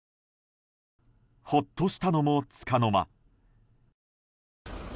ほっとしたのも、つかの間。